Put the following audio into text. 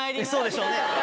そうでしょうね